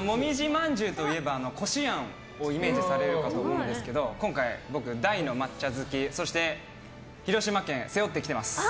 もみじまんじゅうといえばこしあんをイメージされると思うんですが今回、僕は大の抹茶好きなのでそして、広島県背負ってきてます。